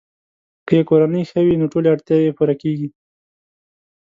که یې کورنۍ ښه وي، نو ټولې اړتیاوې یې پوره کیږي.